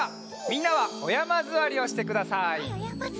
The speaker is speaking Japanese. みんなはおやまずわりをしてください。